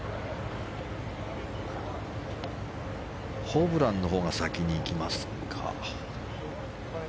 ホブランのほうが先に行きますか。